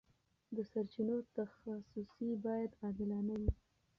د سرچینو تخصیص باید عادلانه وي.